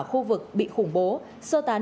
khu vực bị khủng bố sơ tán